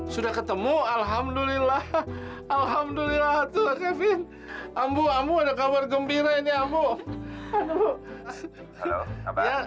sudah ketemu alhamdulillah alhamdulillah tuhan kevin ambo ambo ada kabar gembira ini ambo ambo